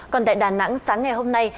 còn tại đà nẵng sáng ngày hôm nay